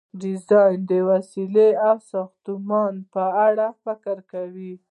ډیزاین د وسیلې او ساختمان په اړه فکر کول دي.